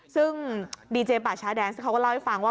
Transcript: ซึ่งดีเจป่าชาแดนส์เขาก็เล่าให้ฟังว่า